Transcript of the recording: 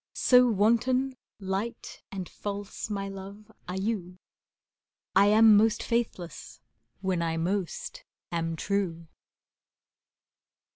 So wanton, light and false, my love, are you, I am most faithless when I most am true.